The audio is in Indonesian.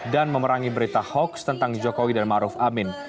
dan memerangi berita hoaks tentang jokowi dan ma'ruf amin